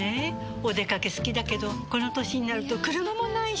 お出かけ好きだけどこの歳になると車もないし。